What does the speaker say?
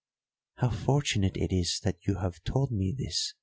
"How fortunate it is that you have told me this!"